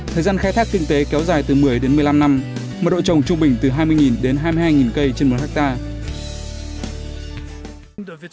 thời gian khai thác kinh tế kéo dài từ một mươi đến một mươi năm năm mật độ trồng trung bình từ hai mươi đến hai mươi hai cây trên một hectare